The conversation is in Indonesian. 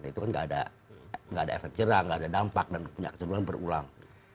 itu kan nggak ada efek jerah nggak ada dampak dan punya kecenderungan berulang